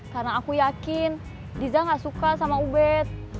karena aku yakin diza nggak suka sama ubed